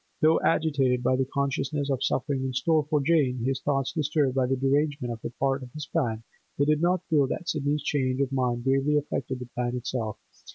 Though agitated by the consciousness of suffering in store for Jane, his thoughts disturbed by the derangement of a part of his plan, he did not feel that Sidney's change of mind gravely affected the plan itself.